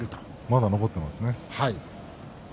まだ残っていますね。